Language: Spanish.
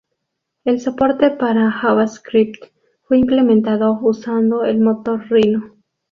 El soporte para Javascript fue implementado usando el motor Rhino.